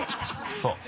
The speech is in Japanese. そう。